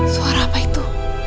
suara apa itu